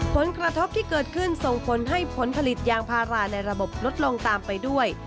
ผลกระทบที่เกิดขึ้นส่งผลให้ผลผลิตยางพาราในระบบลดลงตามไปด้วย